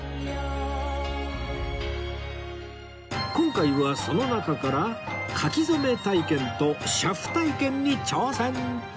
今回はその中から書き初め体験と車夫体験に挑戦！